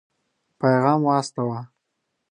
پيغام واستاوه.